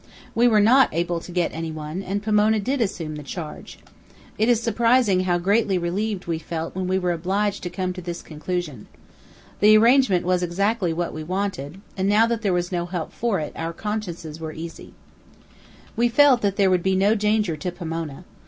We were not able to get any one, and Pomona did assume the charge. It is surprising how greatly relieved we felt when we were obliged to come to this conclusion. The arrangement was exactly what we wanted, and now that there was no help for it, our consciences were easy. We felt sure that there would be no danger to Pomona.